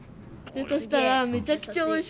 そしたらめちゃくちゃおいしかった。